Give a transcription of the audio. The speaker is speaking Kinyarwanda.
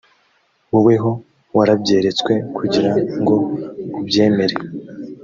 woweho warabyeretswe, kugira ngoubyemere